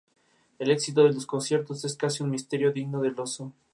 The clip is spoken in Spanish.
Sus padres fueron Juan de Dios Vial Correa y Natalia Larraín Vial.